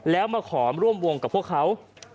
แล้วมาขอร่วมวงกับพวกเขา